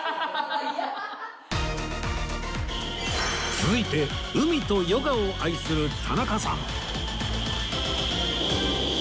続いて海とヨガを愛する田中さん